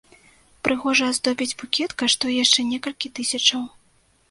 Прыгожа аздобіць букет каштуе яшчэ некалькі тысячаў.